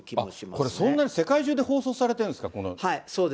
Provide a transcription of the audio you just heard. これ、そんなに、世界中で放送されてるんですか。